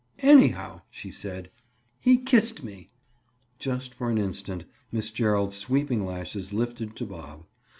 "Anyhow," she said, "he kissed me." Just for an instant Miss Gerald's sweeping lashes lifted to Bob.